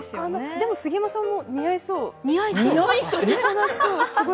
でも杉山さんも似合いそう。